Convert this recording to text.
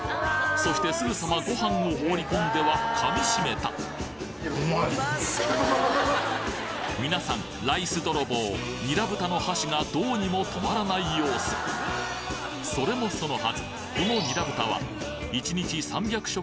そしてすぐさまご飯を放り込んでは噛みしめた皆さんライス泥棒にら豚の箸がどうにも止まらない様子それもそのはず